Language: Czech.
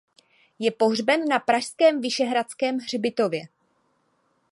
Je pohřben na pražském Vyšehradském hřbitově.